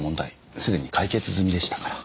すでに解決済みでしたから。